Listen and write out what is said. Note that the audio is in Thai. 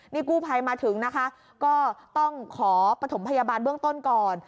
นี่กู้ภัยมาถึงนะคะก็ต้องขอปฐมพยาบาลเบื้องต้นก่อน